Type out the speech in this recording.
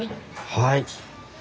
はい。